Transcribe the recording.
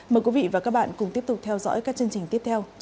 mời quý vị và các bạn cùng tiếp tục theo dõi các chương trình tiếp theo trên anntv